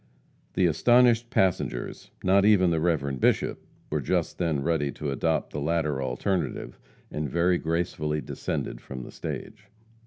The astonished passengers not even the Reverend Bishop were just then ready to adopt the latter alternative, and very gracefully descended from the stage.